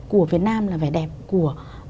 của việt nam là vẻ đẹp của